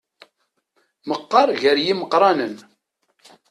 Meqqer gar yimeqqranen.